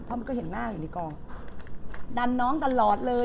เพราะมันก็เห็นหน้าอยู่ในกองดันน้องตลอดเลย